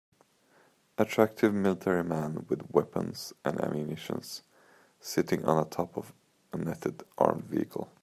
Attractive military man with weapons and ammunition sitting on top of a netted armed vehicle.